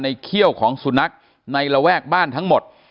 เขี้ยวของสุนัขในระแวกบ้านทั้งหมด